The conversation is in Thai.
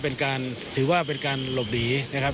เป็นการถือว่าเป็นการหลบหลีนะครับ